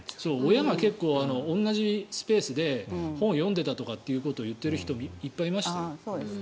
親が結構、同じスペースで本を読んでいたということを言っている人もいっぱいいましたよ。